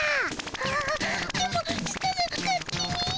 あああでもしたが勝手に。